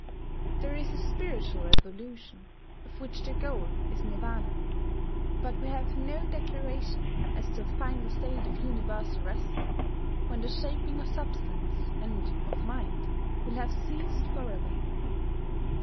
There is a spiritual evolution, of which the goal is Nirvana; but we have no declaration as to a final state of universal rest, when the shaping of substance and of mind will have ceased forever....